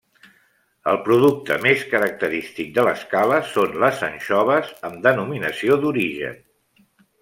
El producte més característic de l'Escala són les anxoves amb denominació d'origen.